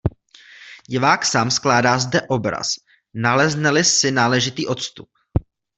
Divák sám skládá zde obraz, nalezne-li sí náležitý odstup.